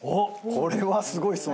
これはすごい質問。